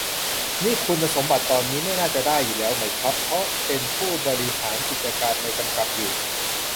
นี่คุณสมบัติตอนนี้ไม่น่าจะได้อยู่แล้วไหมครับ เพราะเป็นผู้บริหารกิจการในกำกับอยู่